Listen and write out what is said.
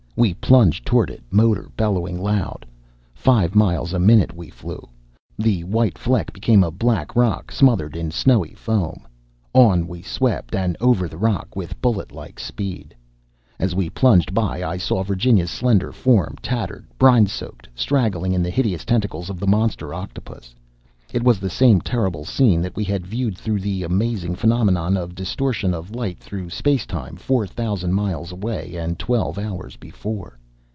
We plunged toward it, motor bellowing loud. Five miles a minute we flew. The white fleck became a black rock smothered in snowy foam. On we swept, and over the rock, with bullet like speed. As we plunged by, I saw Virginia's slender form, tattered, brine soaked, straggling in the hideous tentacles of the monster octopus. It was the same terrible scene that we had viewed, through the amazing phenomenon of distortion of light through space time, four thousand miles away and twelve hours before.